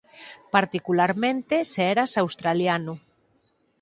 Particularmente se eras australiano.